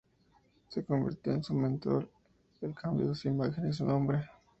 Se convirtió en su mentor, el cambio de su imagen y su nombre.